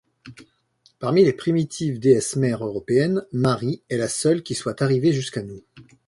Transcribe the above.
Parmi les primitives Déesse-mères européennes, Mari est la seule qui soit arrivée jusqu'à nous.